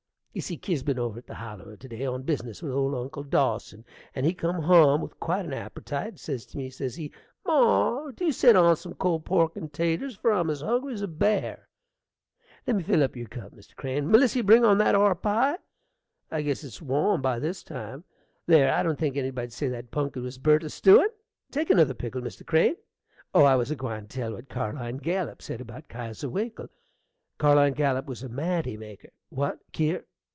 You see, Kier's been over to the Holler to day on bizness with old Uncle Dawson, and he come hum with quite an appertite: says to me, says he, "Mar, dew set on some cold pork and 'taters, for I'm as hungry as a bear." Lemme fill up your cup, Mr. Crane. Melissy, bring on that are pie: I guess it's warm by this time. There, I don't think anybody'd say that punkin was burnt a stewin! Take another pickle, Mr. Crane. Oh, I was a gwine to tell what Carline Gallup said about Kesier Winkle. Carline Gallup was a manty maker What, Kier?